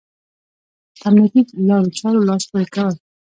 په امنيتي لارو چارو لاس پورې کول.